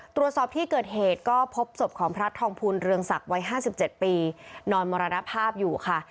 ตรวจสอบที่เกิดเหตุก็พบศพของพระทองภูลเรืองศักดิ์วัย๕๗ปีนอนมรณภาพอยู่ค่ะ